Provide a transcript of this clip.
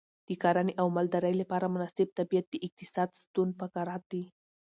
د کرنې او مالدارۍ لپاره مناسب طبیعت د اقتصاد ستون فقرات دی.